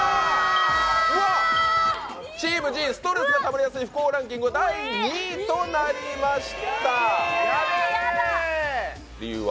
・うわっチームＧストレスがたまりやすい不幸ランキングは第２位となりましたえっえっヤダヤベえ理由は？